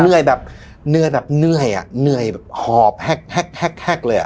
เหนื่อยแบบเหนื่อยแบบเหนื่อยอ่ะเหนื่อยแบบหอบแฮกเลยอ่ะ